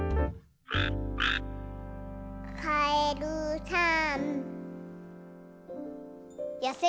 「かえるさん」